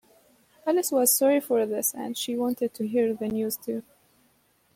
Alice was sorry for this, as she wanted to hear the news too.